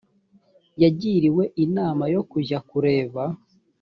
yagiriwe inama yo kujya kureba